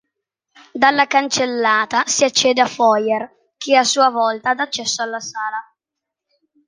Dalla cancellata si accede al foyer, che a sua volta dà accesso alla sala.